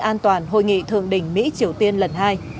an toàn hội nghị thượng đỉnh mỹ triều tiên lần hai